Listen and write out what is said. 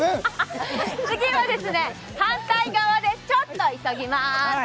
次は反対側、ちょっと急ぎまーす。